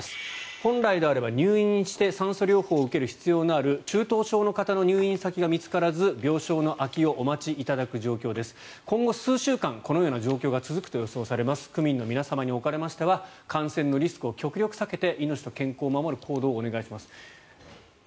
本来であれば入院して酸素療法を受ける必要のある中等症の方の入院先が見つからず病床の空きをお待ちいただく状況です今後数週間、このような状況が続くと予想されます区民の皆様におかれましては感染のリスクを極力避けて命と健康を守る行動をお願いしますと。